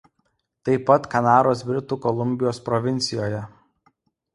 Taip pat Kanados Britų Kolumbijos provincijoje.